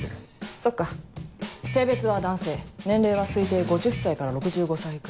そっか性別は男性年齢は推定５０歳から６５歳くらい。